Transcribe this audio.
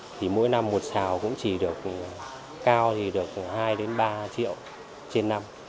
thì mỗi năm một xào cũng chỉ được cao thì được hai đến ba triệu trên năm